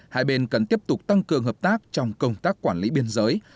hai bên cần tiếp tục tăng cường hợp tác trong công tác quản lý biên giới